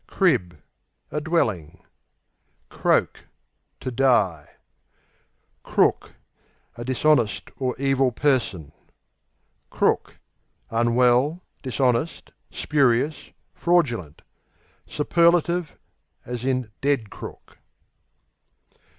Crib A dwelling. Croak To die. Crook A dishonest or evil person. Crook Unwell; dishonest; spurious; fraudulent. Superlative, Dead Crook.